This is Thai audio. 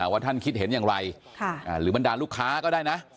ว่าท่านคิดเห็นอย่างไรหรือบรรดาลูกค้าก็ได้นะ